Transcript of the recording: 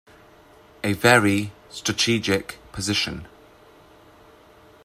A very strategic position.